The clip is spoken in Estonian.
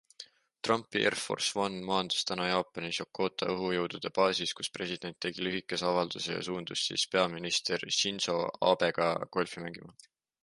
Trumpi Air Force One maandus täna Jaapanis Yokota õhujõudude baasis, kus president tegi lühikese avalduse ja suundus siis peaminister Shinzo Abega golfi mängima.